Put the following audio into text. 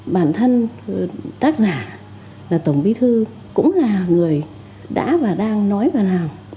bản thân tác giả là tổng bí thư cũng là người đã và đang nói và làm